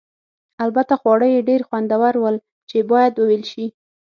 البته خواړه یې ډېر خوندور ول چې باید وویل شي.